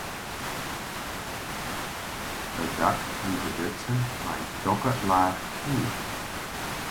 It dak wie bedutsen mei in tsjokke laach snie.